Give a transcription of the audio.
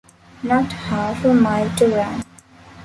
Not half a mile to run.